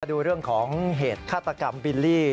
ดูเรื่องของเหตุฆาตกรรมบิลลี่